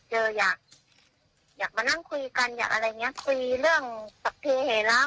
สักทีเรียกว่าคุณคุยกันอย่างอะไรเนี่ยคุยเรื่องสักทีเนี่ยไงละ